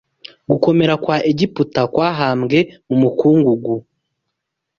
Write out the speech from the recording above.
Gukomera kwa Egiputa kwahambwe mu mukungugu